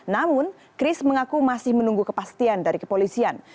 namun chris mengaku masih menunggu kepastian dari kepolisian